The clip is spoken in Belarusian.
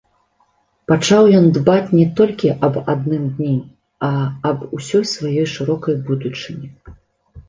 Пачаў ён дбаць не толькі аб адным дні, а аб усёй сваёй шырокай будучыні.